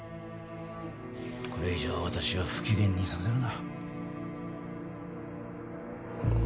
これ以上私を不機嫌にさせるな。